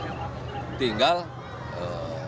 tinggal kuota yang diberikan